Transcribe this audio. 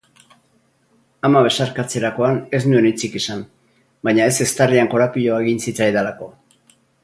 Ama besarka-tzerakoan ez nuen hitzik esan, baina ez eztarrian korapiloa egin zitzaidalako.